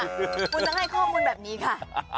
คุณต้องให้ข้อมูลแบบนี้ค่ะ